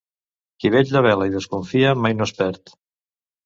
Qui vetlla vela i desconfia mai no es perd.